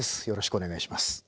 よろしくお願いします。